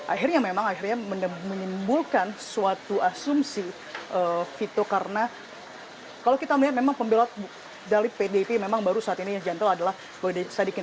akhirnya memang menyimpulkan suatu asumsi vito karena kalau kita melihat memang pembelot dali pdt memang baru saat ini yang jantung adalah boy sadiqin